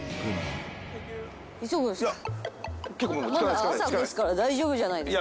まだ朝ですから大丈夫じゃないですか？